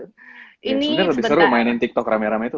sebenarnya lebih seru mainin tiktok rame rame itu